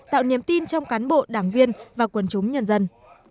tạo niềm tin trong cán bộ đảng viên và quần chúng nhân dân